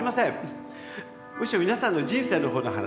むしろ皆さんの人生のほうの話。